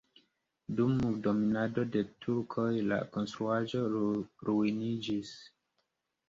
Dum dominado de turkoj la konstruaĵo ruiniĝis.